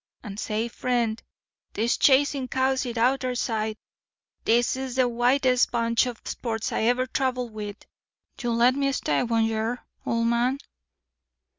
And, say, friend, dis chasin' cows is outer sight. Dis is de whitest bunch of sports I ever travelled with. You'll let me stay, won't yer, old man?"